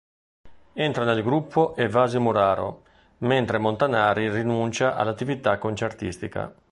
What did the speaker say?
Entra nel gruppo Evasio Muraro, mentre Montanari rinuncia all'attività concertistica.